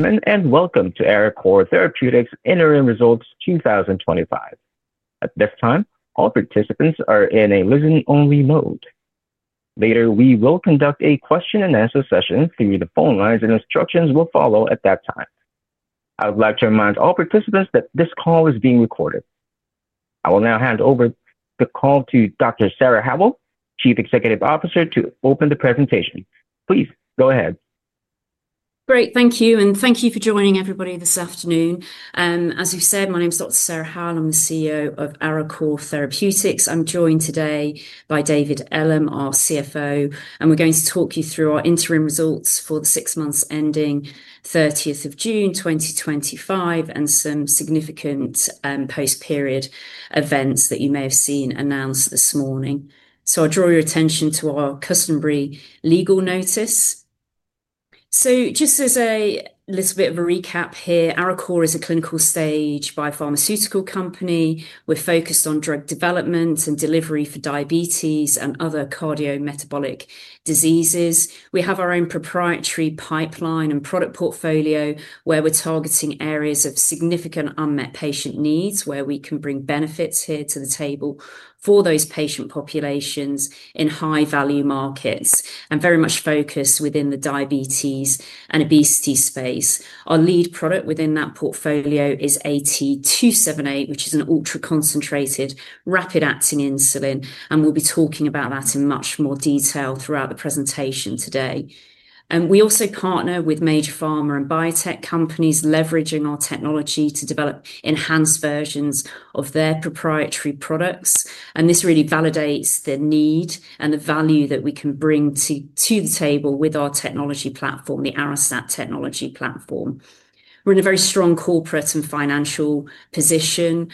Welcome to Arecor Therapeutics Interim Results 2025. At this time, all participants are in a listen-only mode. Later, we will conduct a question-and-answer session through the phone lines, and instructions will follow at that time. I would like to remind all participants that this call is being recorded. I will now hand over the call to Dr. Sarah Howell, Chief Executive Officer, to open the presentation. Please go ahead. Great, thank you, and thank you for joining everybody this afternoon. As you said, my name is Dr. Sarah Howell. I'm the CEO of Arecor Therapeutics. I'm joined today by David Ellam, our CFO, and we're going to talk you through our interim results for the six months ending 30th of June 2025 and some significant post-period events that you may have seen announced this morning. I'll draw your attention to our customary legal notice. Just as a little bit of a recap here, Arecor is a clinical-stage biopharmaceutical company. We're focused on drug development and delivery for diabetes and other cardiometabolic diseases. We have our own proprietary pipeline and product portfolio where we're targeting areas of significant unmet patient needs where we can bring benefits here to the table for those patient populations in high-value markets and very much focused within the diabetes and obesity space. Our lead product within that portfolio is AT278, which is an ultra-concentrated rapid-acting insulin, and we'll be talking about that in much more detail throughout the presentation today. We also partner with major pharma and biotech companies, leveraging our technology to develop enhanced versions of their proprietary products, and this really validates the need and the value that we can bring to the table with our technology platform, the Arestat technology platform. We're in a very strong corporate and financial position.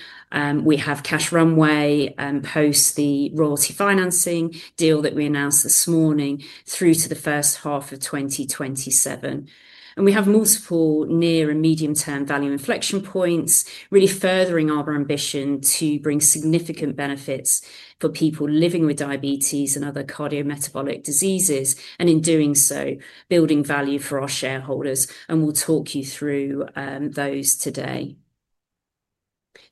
We have cash runway post the royalty financing deal that we announced this morning through to the first half of 2027. We have multiple near and medium-term value inflection points, really furthering our ambition to bring significant benefits for people living with diabetes and other cardiometabolic diseases, and in doing so, building value for our shareholders, and we'll talk you through those today.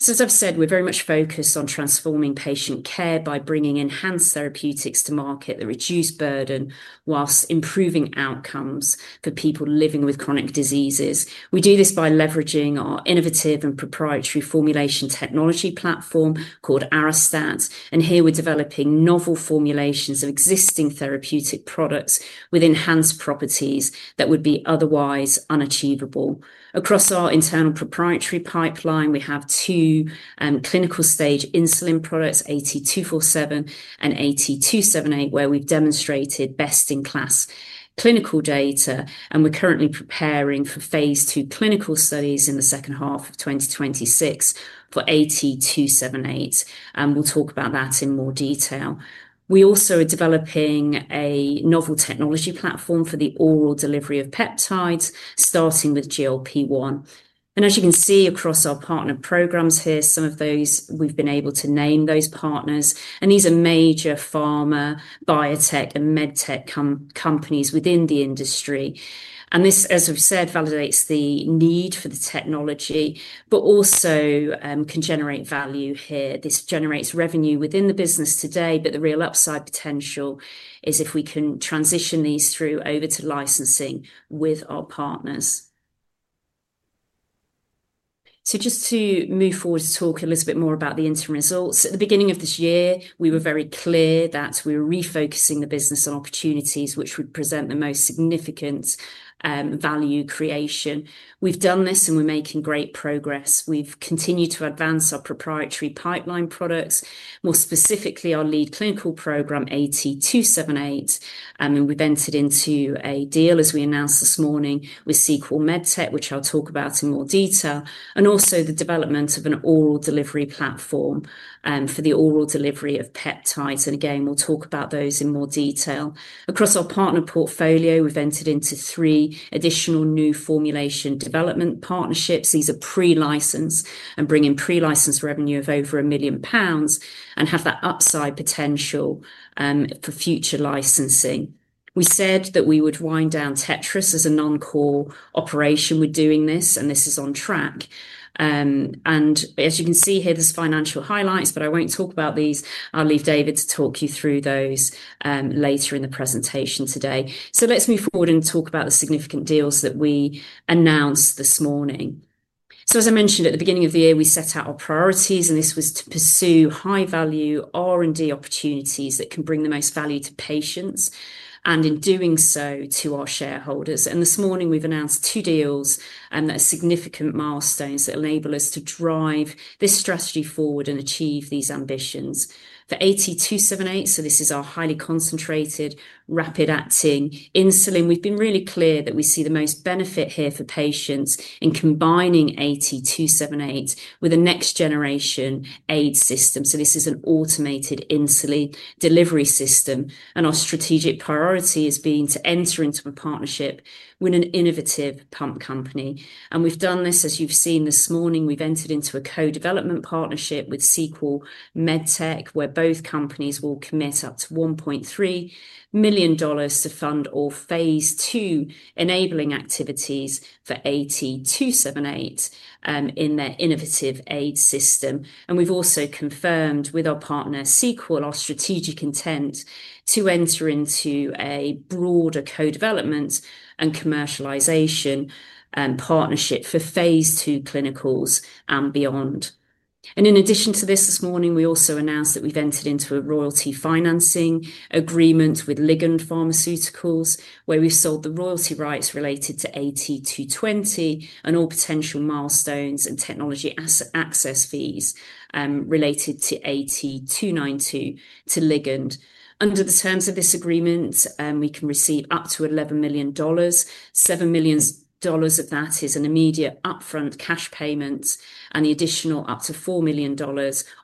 As I've said, we're very much focused on transforming patient care by bringing enhanced therapeutics to market that reduce burden whilst improving outcomes for people living with chronic diseases. We do this by leveraging our innovative and proprietary formulation technology platform called Arestat, and here we're developing novel formulations of existing therapeutic products with enhanced properties that would be otherwise unachievable. Across our internal proprietary pipeline, we have two clinical-stage insulin products, AT247 and AT278, where we've demonstrated best-in-class clinical data, and we're currently preparing for phase two clinical studies in the second half of 2026 for AT278, and we'll talk about that in more detail. We also are developing a novel technology platform for the oral delivery of peptides, starting with GLP-1. As you can see across our partner programs here, some of those we've been able to name those partners, and these are major pharma, biotech, and medtech companies within the industry. This, as I've said, validates the need for the technology, but also can generate value here. This generates revenue within the business today, but the real upside potential is if we can transition these through over to licensing with our partners. To move forward to talk a little bit more about the interim results, at the beginning of this year, we were very clear that we were refocusing the business on opportunities which would present the most significant value creation. We've done this, and we're making great progress. We've continued to advance our proprietary pipeline products, more specifically our lead clinical program, AT278, and we've entered into a deal, as we announced this morning, with Sequel MedTech, which I'll talk about in more detail, and also the development of an oral delivery platform for the oral delivery of peptides. Again, we'll talk about those in more detail. Across our partner portfolio, we've entered into three additional new formulation development partnerships. These are pre-licensed and bring in pre-licensed revenue of over £1 million and have that upside potential for future licensing. We said that we would wind down Tetris Pharma as a non-core operation, we're doing this, and this is on track. As you can see here, there are financial highlights, but I won't talk about these. I'll leave David to talk you through those later in the presentation today. Let's move forward and talk about the significant deals that we announced this morning. As I mentioned at the beginning of the year, we set out our priorities, and this was to pursue high-value R&D opportunities that can bring the most value to patients, and in doing so, to our shareholders. This morning, we've announced two deals that are significant milestones that enable us to drive this strategy forward and achieve these ambitions. For AT278, this is our highly concentrated, rapid-acting insulin. We've been really clear that we see the most benefit here for patients in combining AT278 with a next-generation AID system. This is an automated insulin delivery system, and our strategic priority has been to enter into a partnership with an innovative pump company. We've done this, as you've seen this morning, we've entered into a co-development partnership with Sequel MedTech, where both companies will commit up to $1.3 million to fund all phase two enabling activities for AT278 in their innovative AID system. We've also confirmed with our partner, Sequel, our strategic intent to enter into a broader co-development and commercialization partnership for phase two clinicals and beyond. In addition to this, this morning, we also announced that we've entered into a royalty financing agreement with Ligand Pharmaceuticals, where we've sold the royalty rights related to AT220 and all potential milestones and technology access fees related to AT292 to Ligand. Under the terms of this agreement, we can receive up to $11 million. $7 million of that is an immediate upfront cash payment and the additional up to $4 million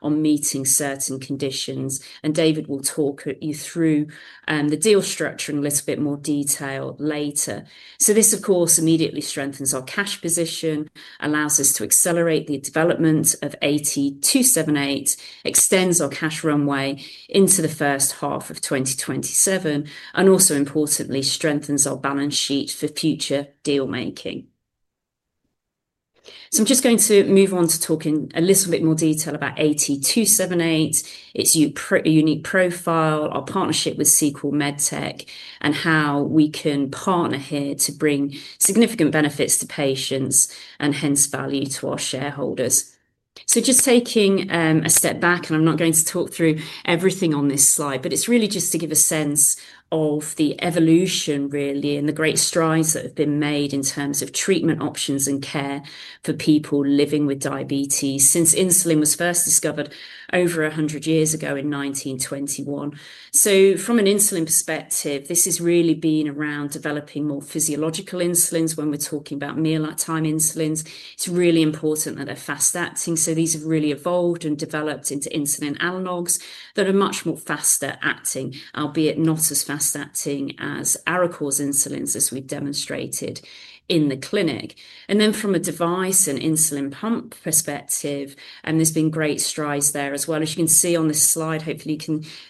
on meeting certain conditions. David will talk you through the deal structure in a little bit more detail later. This, of course, immediately strengthens our cash position, allows us to accelerate the development of AT278, extends our cash runway into the first half of 2027, and also importantly strengthens our balance sheet for future deal making. I'm just going to move on to talk in a little bit more detail about AT278, its unique profile, our partnership with Sequel MedTech, and how we can partner here to bring significant benefits to patients and hence value to our shareholders. Just taking a step back, I'm not going to talk through everything on this slide, but it's really just to give a sense of the evolution really and the great strides that have been made in terms of treatment options and care for people living with diabetes since insulin was first discovered over 100 years ago in 1921. From an insulin perspective, this has really been around developing more physiological insulins when we're talking about meal-time insulins. It's really important that they're fast acting. These have really evolved and developed into insulin analogues that are much more faster acting, albeit not as fast acting as Arecor Therapeutics' insulins as we've demonstrated in the clinic. From a device and insulin pump perspective, there's been great strides there as well. As you can see on this slide, hopefully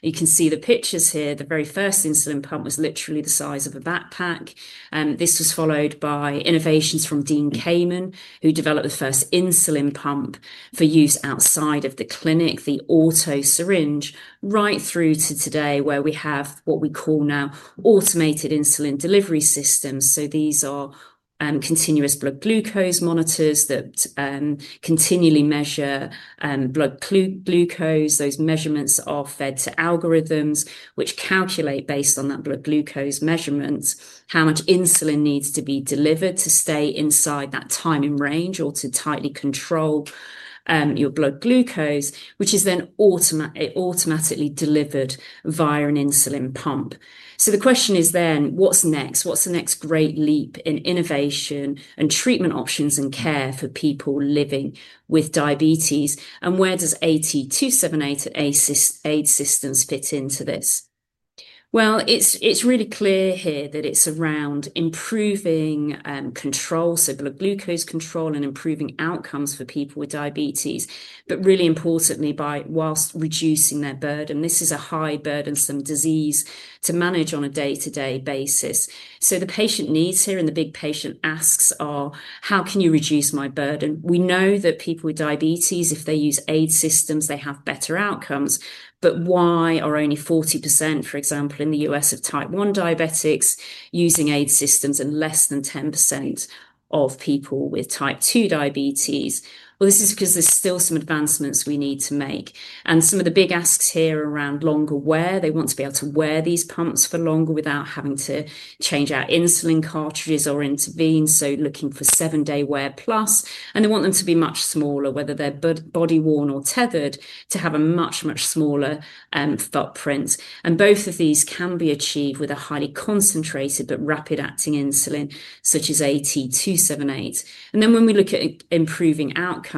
you can see the pictures here. The very first insulin pump was literally the size of a backpack. This was followed by innovations from Dean Kamen, who developed the first insulin pump for use outside of the clinic, the AutoSyringe, right through to today where we have what we call now automated insulin delivery systems. These are continuous blood glucose monitors that continually measure blood glucose. Those measurements are fed to algorithms which calculate, based on that blood glucose measurement, how much insulin needs to be delivered to stay inside that time in range or to tightly control your blood glucose, which is then automatically delivered via an insulin pump. The question is then, what's next? What's the next great leap in innovation and treatment options and care for people living with diabetes? Where does AT278 aid systems fit into this? It's really clear here that it's around improving control, so blood glucose control, and improving outcomes for people with diabetes, but really importantly whilst reducing their burden. This is a high burdensome disease to manage on a day-to-day basis. The patient needs here, and the big patient asks are, how can you reduce my burden? We know that people with diabetes, if they use aid systems, they have better outcomes, but why are only 40%, for example, in the U.S. of type 1 diabetics using aid systems and less than 10% of people with type 2 diabetes? This is because there's still some advancements we need to make. Some of the big asks here are around longer wear. They want to be able to wear these pumps for longer without having to change out insulin cartridges or intervene, so looking for seven-day wear plus, and they want them to be much smaller, whether they're body worn or tethered, to have a much, much smaller footprint. Both of these can be achieved with a highly concentrated but rapid-acting insulin such as AT278. When we look at improving outcomes,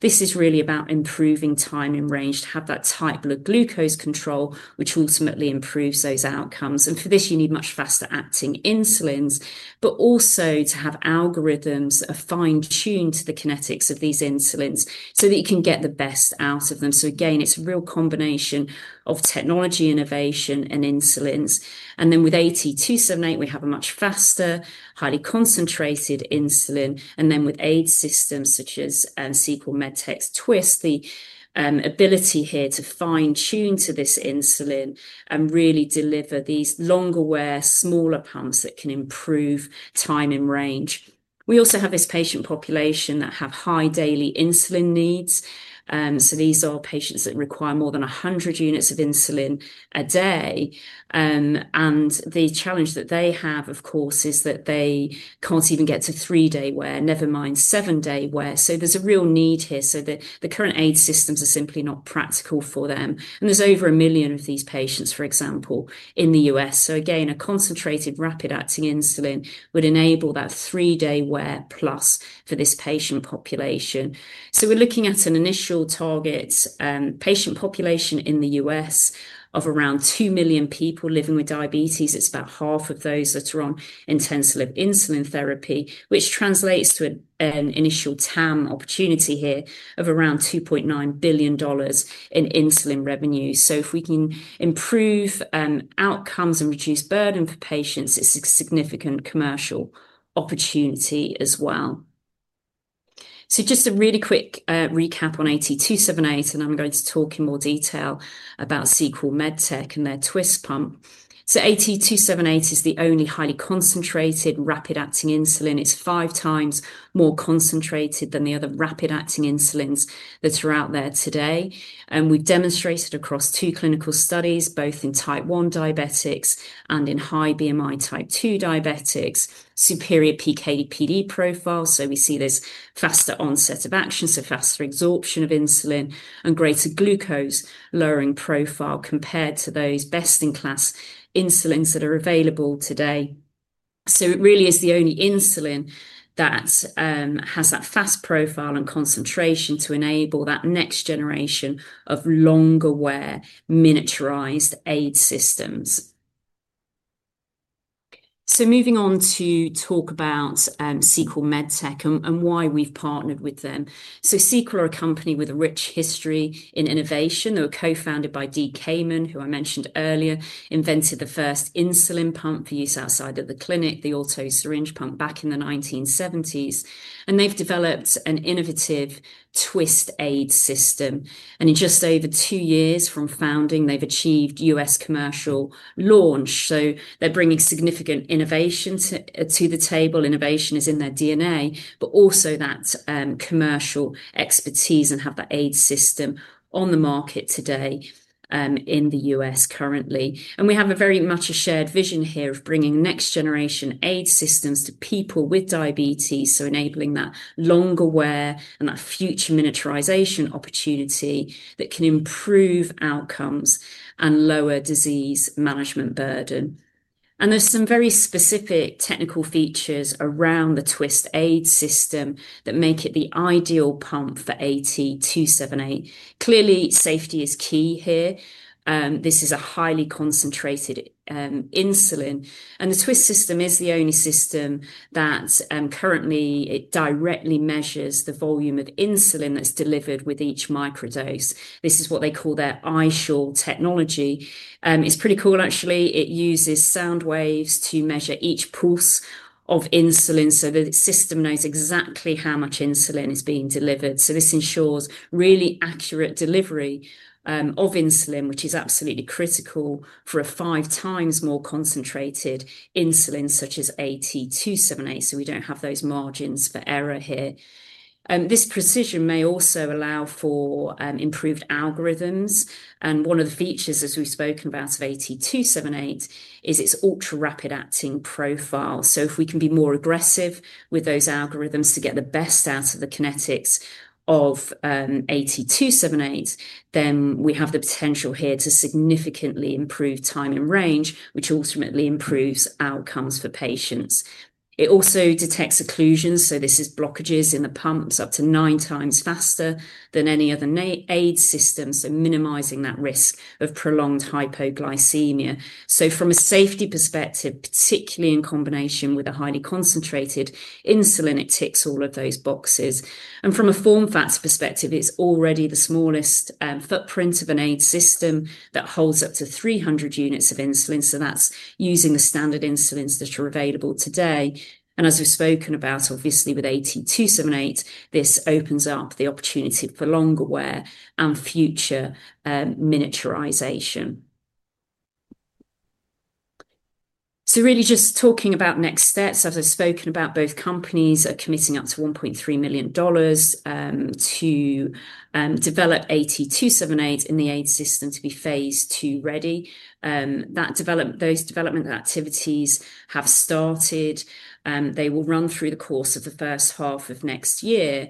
this is really about improving time in range to have that tight blood glucose control, which ultimately improves those outcomes. For this, you need much faster acting insulins, but also to have algorithms that are fine-tuned to the kinetics of these insulins so that you can get the best out of them. It is a real combination of technology innovation and insulins. With AT278, we have a much faster, highly concentrated insulin, and with aid systems such as Sequel MedTech's Twist, the ability here to fine-tune to this insulin and really deliver these longer wear, smaller pumps that can improve time in range. We also have this patient population that have high daily insulin needs. These are patients that require more than 100 units of insulin a day. The challenge that they have, of course, is that they can't even get to three-day wear, never mind seven-day wear. There is a real need here. The current aid systems are simply not practical for them. There are over a million of these patients, for example, in the U.S. A concentrated rapid-acting insulin would enable that three-day wear plus for this patient population. We are looking at an initial target patient population in the U.S. of around 2 million people living with diabetes. It is about half of those that are on intensive insulin therapy, which translates to an initial TAM opportunity here of around $2.9 billion in insulin revenue. If we can improve outcomes and reduce burden for patients, it is a significant commercial opportunity as well. A really quick recap on AT278, and I am going to talk in more detail about Sequel MedTech and their Twist pump. AT278 is the only highly concentrated rapid-acting insulin. It is five times more concentrated than the other rapid-acting insulins that are out there today. We have demonstrated across two clinical studies, both in type 1 diabetics and in high BMI type 2 diabetics, superior PK/PD profile. We see this faster onset of action, so faster absorption of insulin and greater glucose lowering profile compared to those best-in-class insulins that are available today. It really is the only insulin that has that fast profile and concentration to enable that next generation of longer wear miniaturized aid systems. Moving on to talk about Sequel MedTech and why we have partnered with them. Sequel are a company with a rich history in innovation. They were co-founded by Dean Kamen, who I mentioned earlier, invented the first insulin pump for use outside of the clinic, the auto syringe pump back in the 1970s. They've developed an innovative Twist aid system. In just over two years from founding, they've achieved U.S. commercial launch. They're bringing significant innovation to the table. Innovation is in their DNA, but also that commercial expertise and have the aid system on the market today in the U.S. currently. We have very much a shared vision here of bringing next-generation aid systems to people with diabetes, enabling that longer wear and that future miniaturization opportunity that can improve outcomes and lower disease management burden. There are some very specific technical features around the Twist aid system that make it the ideal pump for AT278. Clearly, safety is key here. This is a highly concentrated insulin. The Twist system is the only system that currently directly measures the volume of insulin that's delivered with each microdose. This is what they call their iSure technology. It's pretty cool, actually. It uses sound waves to measure each pulse of insulin, so the system knows exactly how much insulin is being delivered. This ensures really accurate delivery of insulin, which is absolutely critical for a five times more concentrated insulin such as AT278, so we don't have those margins for error here. This precision may also allow for improved algorithms. One of the features, as we've spoken about, of AT278 is its ultra-rapid acting profile. If we can be more aggressive with those algorithms to get the best out of the kinetics of AT278, then we have the potential here to significantly improve time in range, which ultimately improves outcomes for patients. It also detects occlusions, which are blockages in the pumps, up to nine times faster than any other aid system, minimizing that risk of prolonged hypoglycemia. From a safety perspective, particularly in combination with a highly concentrated insulin, it ticks all of those boxes. From a form factor perspective, it's already the smallest footprint of an aid system that holds up to 300 units of insulin, using the standard insulins that are available today. As we've spoken about, with AT278, this opens up the opportunity for longer wear and future miniaturization. Talking about next steps, as I've spoken about, both companies are committing up to $1.3 million to develop AT278 in the aid system to be phase two ready. Those development activities have started. They will run through the course of the first half of next year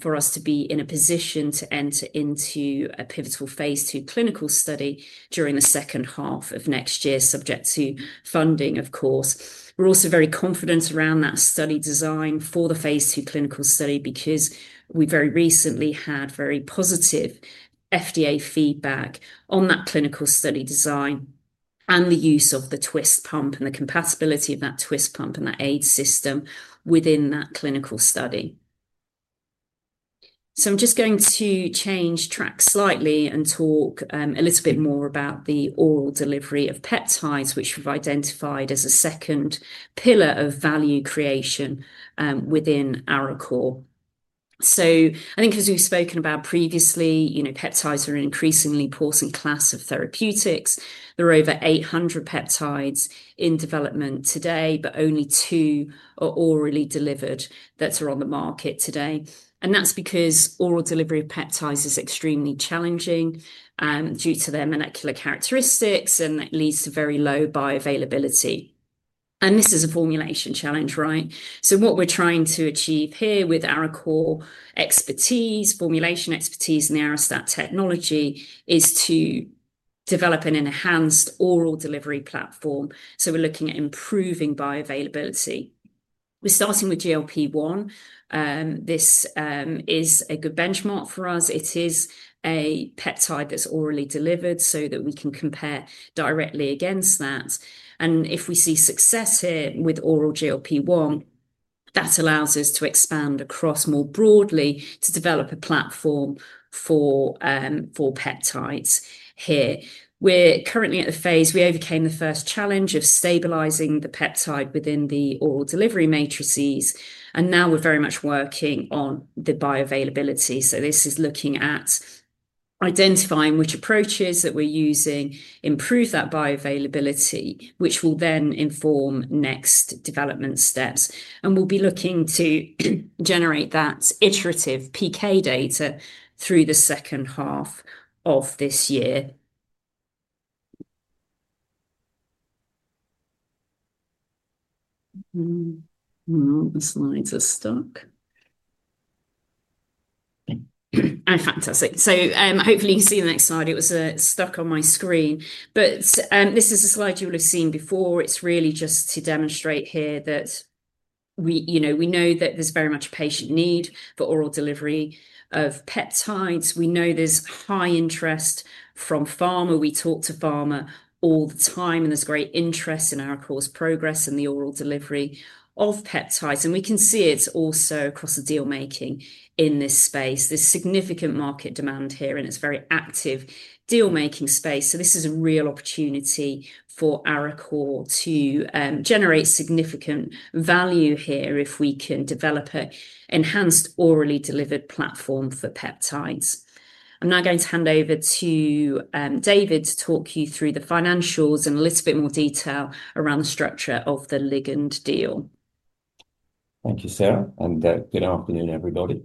for us to be in a position to enter into a pivotal phase two clinical study during the second half of next year, subject to funding, of course. We're also very confident around that study design for the phase two clinical study because we very recently had very positive FDA feedback on that clinical study design and the use of the Twist pump and the compatibility of that Twist pump and that aid system within that clinical study. I'm just going to change track slightly and talk a little bit more about the oral delivery of peptides, which we've identified as a second pillar of value creation within Arecor. I think, as we've spoken about previously, you know peptides are an increasingly important class of therapeutics. There are over 800 peptides in development today, but only two are orally delivered that are on the market today. That's because oral delivery of peptides is extremely challenging due to their molecular characteristics, and that leads to very low bioavailability. This is a formulation challenge, right? What we're trying to achieve here with Arecor expertise, formulation expertise in the Arestat technology, is to develop an enhanced oral delivery platform. We're looking at improving bioavailability. We're starting with GLP-1. This is a good benchmark for us. It is a peptide that's orally delivered so that we can compare directly against that. If we see success here with oral GLP-1, that allows us to expand across more broadly to develop a platform for peptides here. We're currently at the phase we overcame the first challenge of stabilizing the peptide within the oral delivery matrices, and now we're very much working on the bioavailability. This is looking at identifying which approaches that we're using improve that bioavailability, which will then inform next development steps. We'll be looking to generate that iterative PK data through the second half of this year. Oh, the slides are stuck. Oh, fantastic. Hopefully, you can see the next slide. It was stuck on my screen. This is a slide you will have seen before. It's really just to demonstrate here that we know that there's very much a patient need for oral delivery of peptides. We know there's high interest from pharma. We talk to pharma all the time, and there's great interest in Arecor's progress and the oral delivery of peptides. We can see it also across the deal making in this space. There's significant market demand here, and it's a very active deal making space. This is a real opportunity for Arecor to generate significant value here if we can develop an enhanced orally delivered platform for peptides. I'm now going to hand over to David to talk you through the financials and a little bit more detail around the structure of the Ligand deal. Thank you, Sarah, and good afternoon, everybody.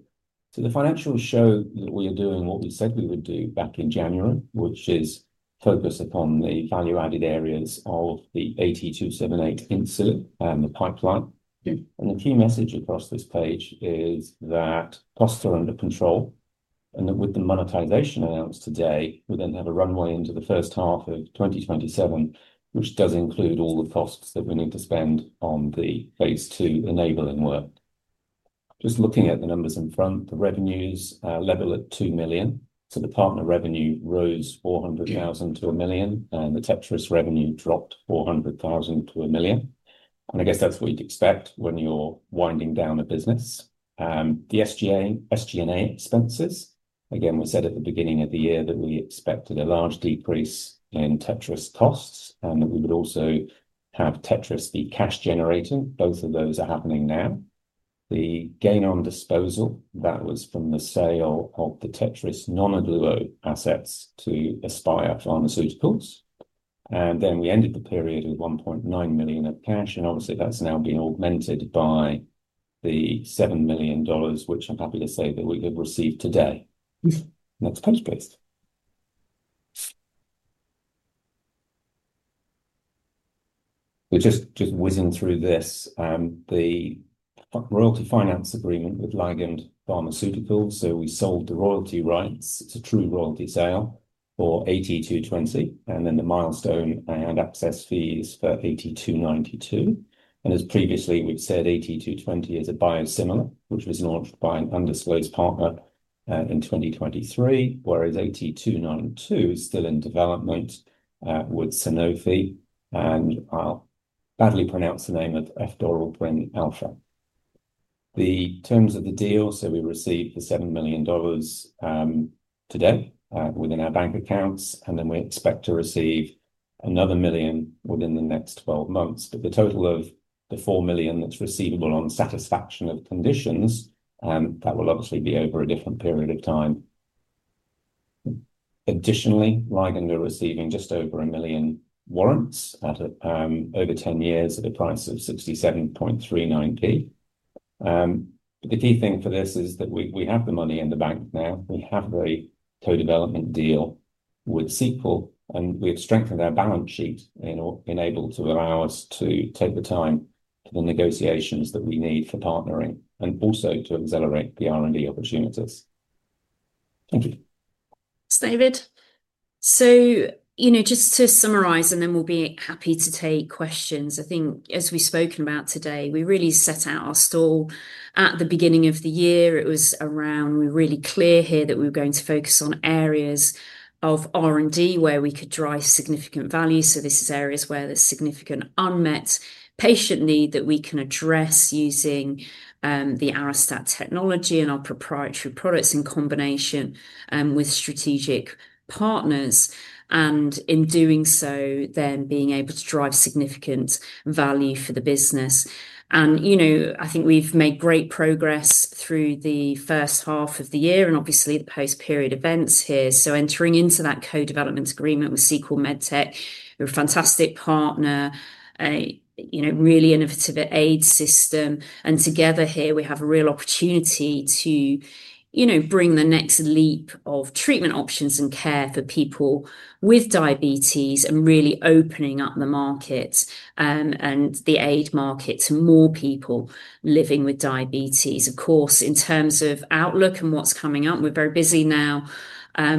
The financials show that we are doing what we said we would do back in January, which is focused upon the value-added areas of the AT278 insulin and the pipeline. The key message across this page is that costs are under control. With the monetization announced today, we're going to have a runway into the first half of 2027, which does include all the costs that we need to spend on the phase two enabling work. Just looking at the numbers in front, the revenues are level at $2 million. The partner revenue rose $400,000 to $1 million, and the Tetris revenue dropped $400,000 to $1 million. I guess that's what you'd expect when you're winding down a business. The SG&A expenses, again, we said at the beginning of the year that we expected a large decrease in Tetris costs and that we would also have Tetris be cash generating. Both of those are happening now. The gain on disposal, that was from the sale of the Tetris non-Ogluo assets to Aspire Pharmaceuticals. We ended the period with $1.9 million of cash, and obviously, that's now been augmented by the $7 million, which I'm happy to say that we've received today. That's cash-based. We're just whizzing through this. The royalty finance agreement with Ligand Pharmaceuticals, we sold the royalty rights. It's a true royalty sale for AT220, and then the milestone and access fees for AT292. As previously we've said, AT220 is a biosimilar, which was launched by an undisclosed partner in 2023, whereas AT292 is still in development with Sanofi. I'll badly pronounce the name of F-doralbenalfra. The terms of the deal, we received the $7 million today within our bank accounts, and then we expect to receive another $1 million within the next 12 months. The total of the $4 million that's receivable on satisfaction of conditions, that will obviously be over a different period of time. Additionally, Ligand are receiving just over 1 million warrants at over 10 years at a price of 67.39p. The key thing for this is that we have the money in the bank now. We have a co-development deal with Sequel, and we have strengthened our balance sheet and enabled to allow us to take the time and the negotiations that we need for partnering and also to accelerate the R&D opportunities. Thank you. David, just to summarize, and then we'll be happy to take questions, I think as we've spoken about today, we really set out our stall at the beginning of the year. It was around we were really clear here that we were going to focus on areas of R&D where we could drive significant value. This is areas where there's significant unmet patient need that we can address using the Arestat technology and our proprietary products in combination with strategic partners. In doing so, being able to drive significant value for the business. I think we've made great progress through the first half of the year and obviously the post-period events here. Entering into that co-development agreement with Sequel MedTech, a fantastic partner, a really innovative aid system, together here we have a real opportunity to bring the next leap of treatment options and care for people with diabetes and really opening up the market and the aid market to more people living with diabetes. Of course, in terms of outlook and what's coming up, we're very busy now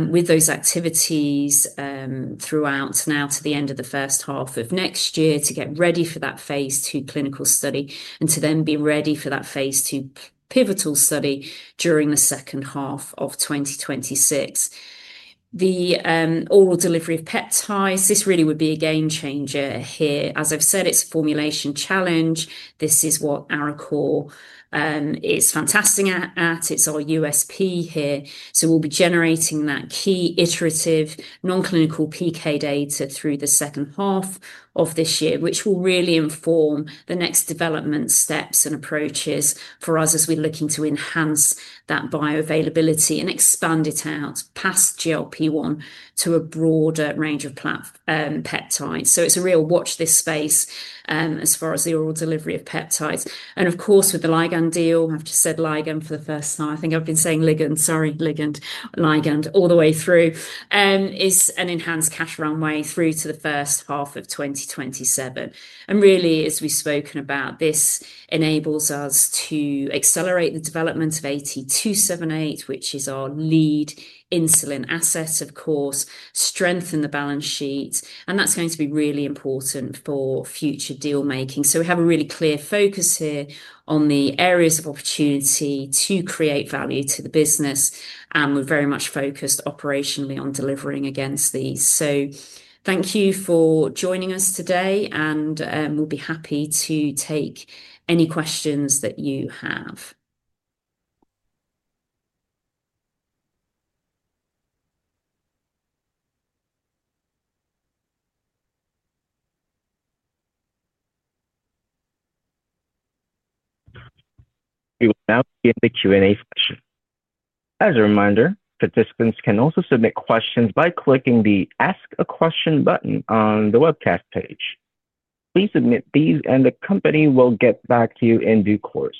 with those activities throughout now to the end of the first half of next year to get ready for that phase two clinical study and to then be ready for that phase two pivotal study during the second half of 2026. The oral delivery of peptides, this really would be a game changer here. As I've said, it's a formulation challenge. This is what Arecor is fantastic at. It's our USP here. We'll be generating that key iterative non-clinical PK data through the second half of this year, which will really inform the next development steps and approaches for us as we're looking to enhance that bioavailability and expand it out past GLP-1 to a broader range of peptides. It's a real watch this space as far as the oral delivery of peptides. Of course, with the Ligand deal, I've just said Ligand for the first time. I think I've been saying Ligand, sorry, Ligand, Ligand all the way through, is an enhanced cash runway through to the first half of 2027. As we've spoken about, this enables us to accelerate the development of AT278, which is our lead insulin asset, of course, strengthen the balance sheet. That's going to be really important for future deal making. We have a really clear focus here on the areas of opportunity to create value to the business. We're very much focused operationally on delivering against these. Thank you for joining us today, and we'll be happy to take any questions that you have. We will now begin the Q&A session. As a reminder, participants can also submit questions by clicking the Ask a Question button on the webcast page. Please submit these, and the company will get back to you in due course.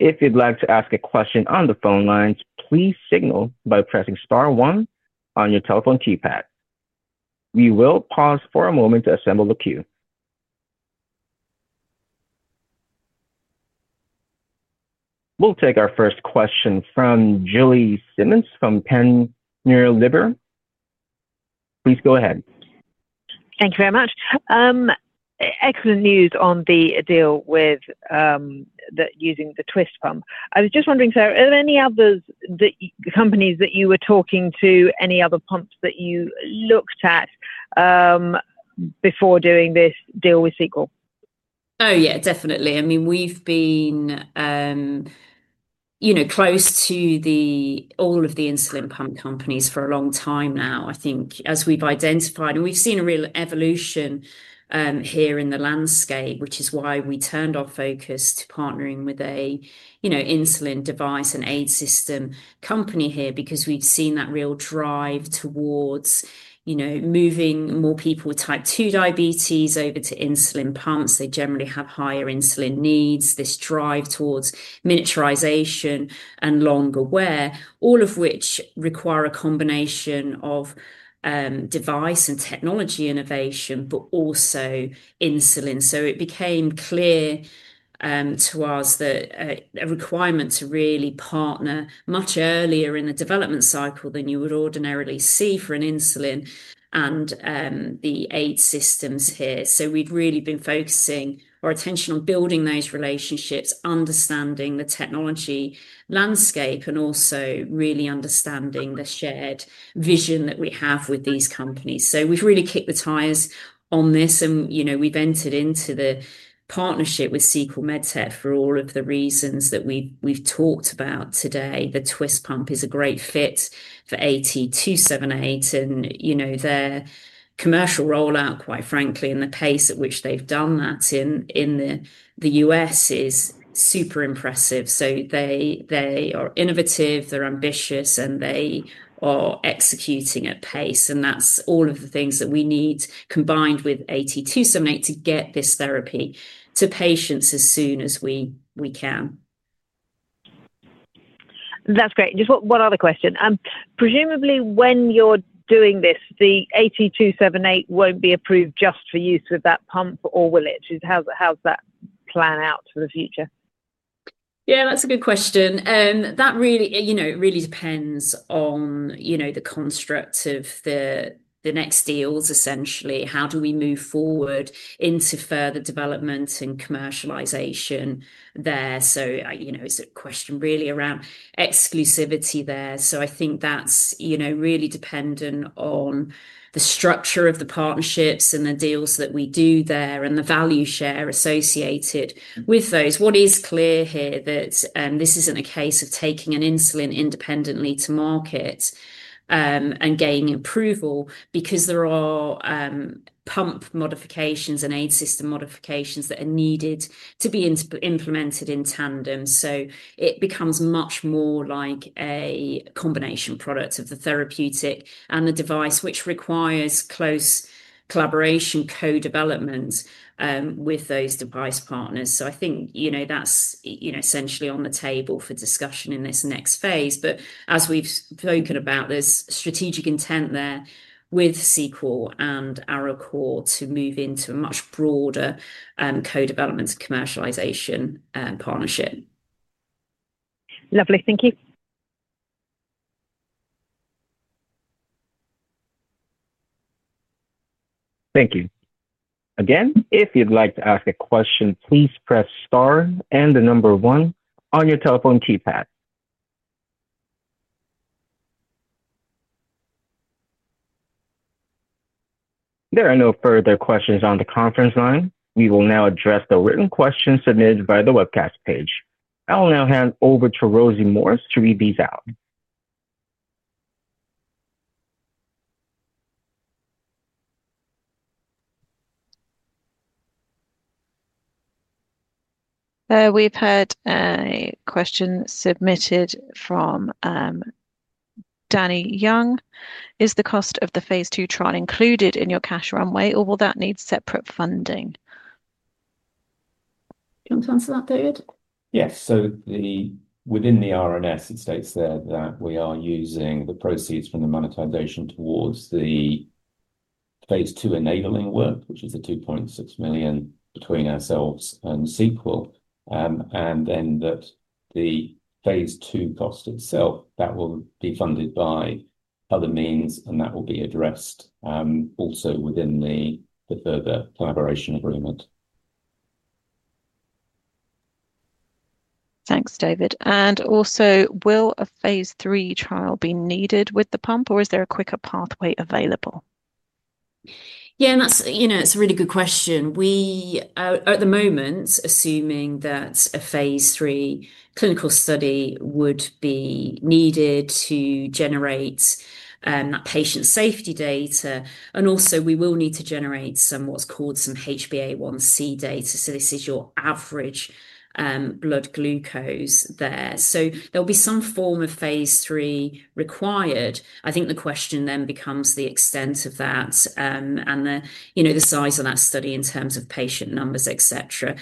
If you'd like to ask a question on the phone lines, please signal by pressing star one on your telephone keypad. We will pause for a moment to assemble the queue. We'll take our first question from Julie Simmons from Penn NeuroLibra. Please go ahead. Thank you very much. Excellent news on the deal with using the Twist pump. I was just wondering, Sarah, are there any other companies that you were talking to, any other pumps that you looked at before doing this deal with Sequel? Oh, yeah, definitely. I mean, we've been close to all of the insulin pump companies for a long time now, I think, as we've identified. We've seen a real evolution here in the landscape, which is why we turned our focus to partnering with an insulin device and aid system company here because we've seen that real drive towards moving more people with type 2 diabetes over to insulin pumps. They generally have higher insulin needs, this drive towards miniaturization and longer wear, all of which require a combination of device and technology innovation, but also insulin. It became clear to us that a requirement to really partner much earlier in the development cycle than you would ordinarily see for an insulin and the aid systems here. We've really been focusing our attention on building those relationships, understanding the technology landscape, and also really understanding the shared vision that we have with these companies. We've really kicked the tires on this, and you know we've entered into the partnership with Sequel MedTech for all of the reasons that we've talked about today. The Twist pump is a great fit for AT278, and you know their commercial rollout, quite frankly, and the pace at which they've done that in the U.S. is super impressive. They are innovative, they're ambitious, and they are executing at pace. That's all of the things that we need combined with AT278 to get this therapy to patients as soon as we can. That's great. Just one other question. Presumably, when you're doing this, the AT278 won't be approved just for use with that pump, or will it? How's that plan out for the future? Yeah, that's a good question. That really depends on the constructs of the next deals, essentially. How do we move forward into further development and commercialization there? It's a question really around exclusivity there. I think that's really dependent on the structure of the partnerships and the deals that we do there and the value share associated with those. What is clear here is that this isn't a case of taking an insulin independently to market and gaining approval because there are pump modifications and aid system modifications that are needed to be implemented in tandem. It becomes much more like a combination product of the therapeutic and the device, which requires close collaboration, co-development with those device partners. I think that's essentially on the table for discussion in this next phase. As we've spoken about, there's strategic intent there with Sequel MedTech and Arecor Therapeutics to move into a much broader co-development and commercialization partnership. Lovely. Thank you. Thank you. Again, if you'd like to ask a question, please press star and the number one on your telephone keypad. There are no further questions on the conference line. We will now address the written questions submitted via the webcast page. I'll now hand over to Rosie Morse to read these out. We've had a question submitted from Danny Young. Is the cost of the phase two clinical study included in your cash runway, or will that need separate funding? Do you want to answer that, David? Yes. Within the RNS, it states there that we are using the proceeds from the monetization towards the phase two enabling work, which is the $2.6 million between ourselves and Sequel. The phase two cost itself will be funded by other means, and that will be addressed also within the further collaboration agreement. Thanks, David. Will a phase three trial be needed with the pump, or is there a quicker pathway available? Yeah, and that's, you know, it's a really good question. We, at the moment, assuming that a phase three clinical study would be needed to generate patient safety data, and also we will need to generate some, what's called some HbA1c data. This is your average blood glucose there. There'll be some form of phase three required. I think the question then becomes the extent of that and the size of that study in terms of patient numbers, et cetera.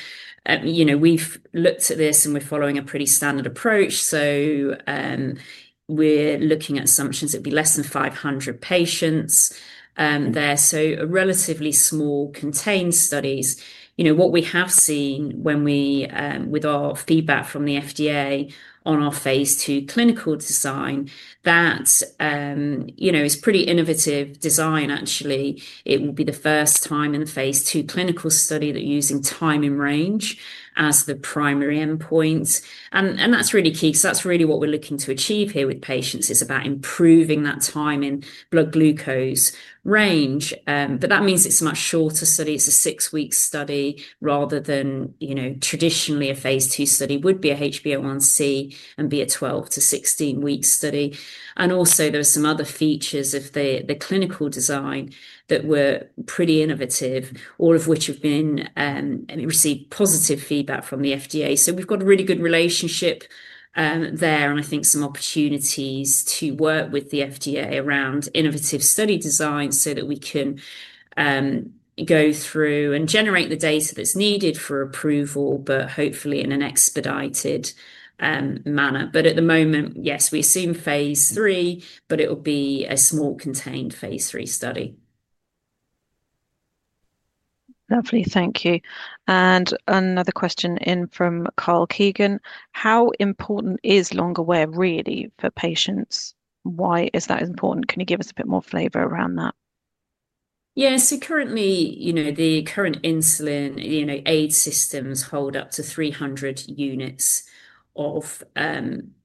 We've looked at this and we're following a pretty standard approach. We're looking at assumptions it'd be less than 500 patients there, so a relatively small contained study. What we have seen with our feedback from the FDA on our phase two clinical design, that is pretty innovative design, actually. It will be the first time in the phase two clinical study that using time in range as the primary endpoint. That's really key because that's really what we're looking to achieve here with patients is about improving that time in blood glucose range. That means it's a much shorter study. It's a six-week study rather than, you know, traditionally a phase two study would be a HbA1c and be a 12 to 16-week study. Also, there are some other features of the clinical design that were pretty innovative, all of which have been received positive feedback from the FDA. We've got a really good relationship there and I think some opportunities to work with the FDA around innovative study design so that we can go through and generate the data that's needed for approval, but hopefully in an expedited manner. At the moment, yes, we assume phase three, but it will be a small contained phase three study. Lovely. Thank you. Another question in from Carl Keegan. How important is longer wear, really, for patients? Why is that important? Can you give us a bit more flavor around that? Yeah. Currently, you know, the current insulin aid systems hold up to 300 units of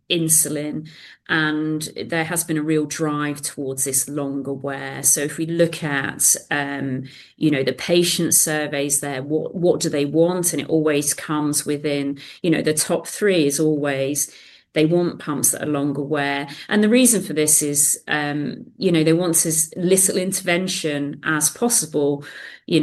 insulin. There has been a real drive towards this longer wear. If we look at the patient surveys, what do they want? It always comes within, you know, the top three is always they want pumps that are longer wear. The reason for this is, you know, they want as little intervention as possible. Some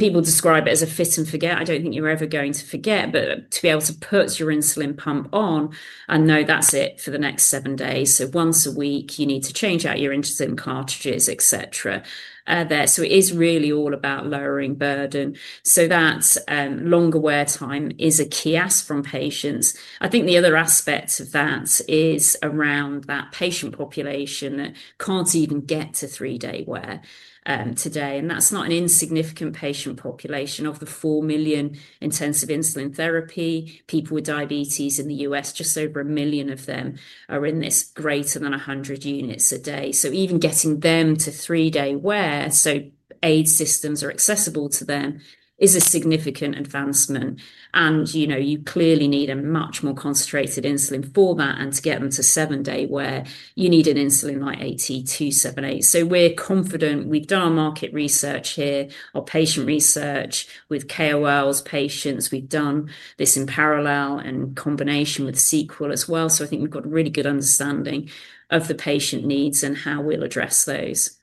people describe it as a fit and forget. I don't think you're ever going to forget, but to be able to put your insulin pump on and know that's it for the next seven days. Once a week, you need to change out your insulin cartridges, et cetera, there. It is really all about lowering burden. That longer wear time is a key ask from patients. I think the other aspect of that is around that patient population that can't even get to three-day wear today. That's not an insignificant patient population. Of the 4 million intensive insulin therapy people with diabetes in the U.S., just over a million of them are in this greater than 100 units a day. Even getting them to three-day wear, so aid systems are accessible to them, is a significant advancement. You clearly need a much more concentrated insulin format. To get them to seven-day wear, you need an insulin like AT278. We're confident. We've done our market research here, our patient research with KOLs, patients. We've done this in parallel and in combination with Sequel as well. I think we've got a really good understanding of the patient needs and how we'll address those.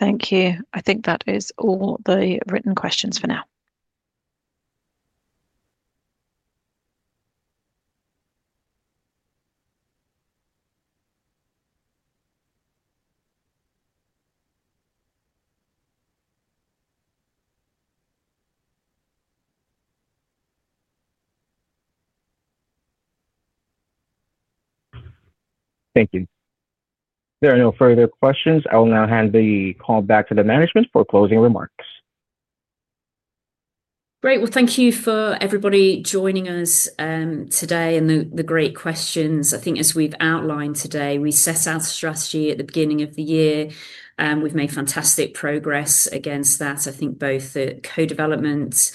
Thank you. I think that is all the written questions for now. Thank you. There are no further questions. I will now hand the call back to the management for closing remarks. Great. Thank you for everybody joining us today and the great questions. I think as we've outlined today, we set our strategy at the beginning of the year. We've made fantastic progress against that. I think both the co-development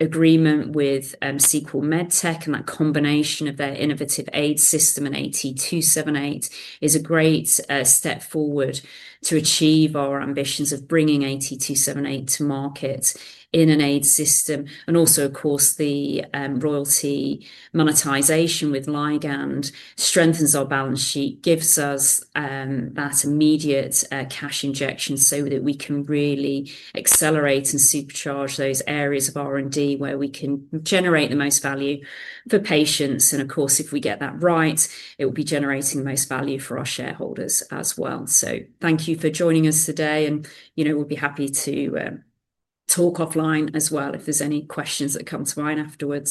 agreement with Sequel MedTech and that combination of their innovative aid system and AT278 is a great step forward to achieve our ambitions of bringing AT278 to market in an aid system. Also, of course, the royalty monetization with Ligand strengthens our balance sheet, gives us that immediate cash injection so that we can really accelerate and supercharge those areas of R&D where we can generate the most value for patients. Of course, if we get that right, it will be generating the most value for our shareholders as well. Thank you for joining us today, and you know we'll be happy to talk offline as well if there's any questions that come to mind afterwards.